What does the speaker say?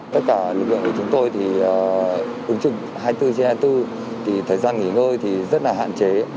tất cả lực lượng của chúng tôi thì hai mươi bốn trên hai mươi bốn thì thời gian nghỉ ngơi rất là hạn chế